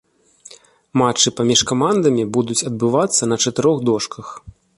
Матчы паміж камандамі будуць адбывацца на чатырох дошках.